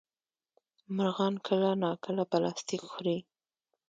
مرغان کله ناکله پلاستيک خوري.